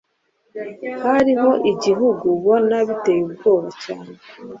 Hariho igihe ubona biteye ubwoba cyane